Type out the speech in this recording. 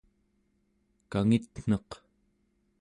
kangitneq